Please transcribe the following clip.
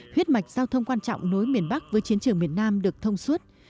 huyết mạch giao thông quan trọng nối miền bắc với chiến trường miền nam được thông suốt